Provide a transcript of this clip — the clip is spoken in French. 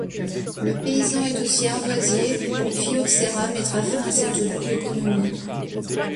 Le paysan est aussi ardoisier, mais le phylloxera mettra fin à cette double économie.